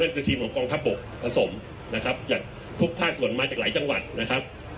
ก็คือทีมของกองทัพบกผสมนะครับจากทุกภาคส่วนมาจากหลายจังหวัดนะครับ